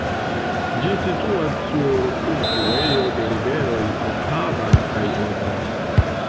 Ĝi situas sur kunfluejo de riveroj Opava kaj Odra.